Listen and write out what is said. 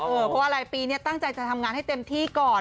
เพราะว่าอะไรปีนี้ตั้งใจจะทำงานให้เต็มที่ก่อน